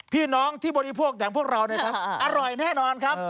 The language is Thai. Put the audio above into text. พี่น้องที่บริโภคแหล่งพวกเราอร่อยแน่นอนครับ